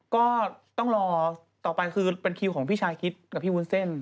ก็ต้องรอต่อไปคือเป็นคิวของพี่ชาคิดกับพี่วุ้นเส้น